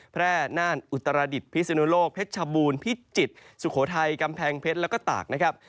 แพร่น่านอุตรดิษฐพิศนุโลกเพชรชบูรณ์พิจิตรสุโขทัยกำแพงเพชรแล้วก็ตากนะครับ